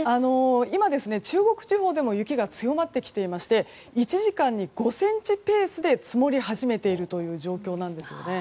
今、中国地方でも雪が強まってきておりまして１時間に５ｃｍペースで積もり始めているという状況なんですね。